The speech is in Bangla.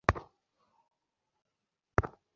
যে কিনা একজন শ্বত ড্রাগন।